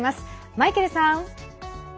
マイケルさん！